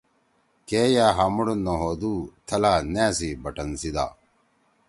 کے یأ ہامُوڑ نہ ہودُو تھلا ”نأ“ سی بٹن سی دا۔